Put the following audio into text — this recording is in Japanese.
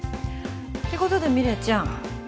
ってことで美玲ちゃん。